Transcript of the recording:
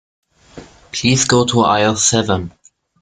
Please go to aisle seven.